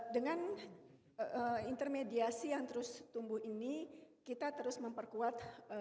dengan intermediasi yang terus tumbuh ini kita terus memperkuat